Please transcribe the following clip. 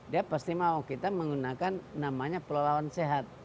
dia pasti mau kita menggunakan namanya pelawan sehat